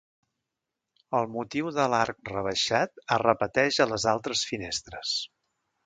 El motiu de l'arc rebaixat es repeteix a les altres finestres.